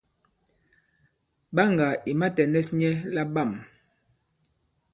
Ɓaŋgà ì matɛ̀nɛs nyɛ laɓâm.